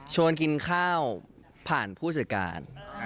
กินข้าวผ่านผู้จัดการ